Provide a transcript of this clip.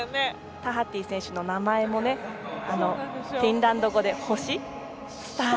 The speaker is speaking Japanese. タハティ選手の名前もフィンランド語で星、スター。